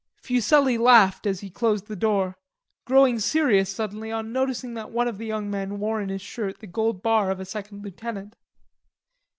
Fuselli laughed as he closed the door, growing serious suddenly on noticing that one of the young men wore in his shirt the gold bar of a second lieutenant.